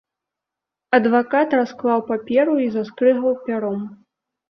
Адвакат расклаў паперу і заскрыгаў пяром.